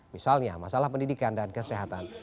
misalnya masalah pendidikan dan kesehatan